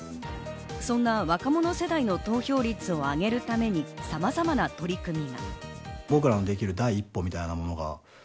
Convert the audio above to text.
そんな若者世代の投票率を上げるために、さまざまな取り組みが。